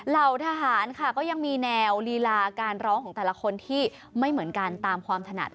เหล่าทหารค่ะก็ยังมีแนวลีลาการร้องของแต่ละคนที่ไม่เหมือนกันตามความถนัด